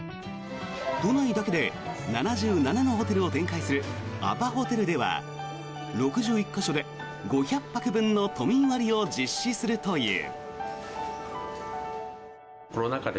都内だけで７７のホテルを展開するアパホテルでは６１か所で５００泊分の都民割を実施するという。